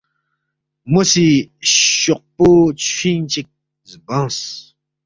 مو سی شوقپو چُھوِنگ چِک زبنگس